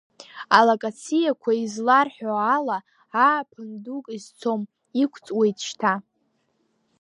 Алакациақәа изларҳәо ала, ааԥын дук изцом, иқәҵуеит шьҭа…